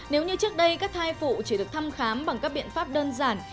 nếu như trước đây các thai phụ chỉ được thăm khám bằng các biện pháp đơn giản